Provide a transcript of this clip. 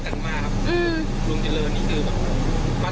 คุณยายก็พูดจาน่ารัก